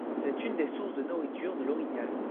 C'est une des sources de nourriture de l'orignal.